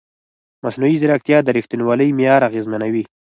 مصنوعي ځیرکتیا د ریښتینولۍ معیار اغېزمنوي.